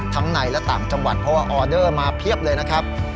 ในและต่างจังหวัดเพราะว่าออเดอร์มาเพียบเลยนะครับ